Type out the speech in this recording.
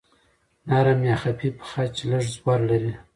نرم یا خفیف خج لږ زور لري.